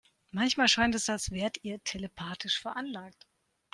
Manchmal scheint es, als wärt ihr telepathisch veranlagt.